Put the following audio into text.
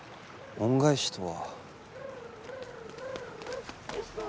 恩返しとは。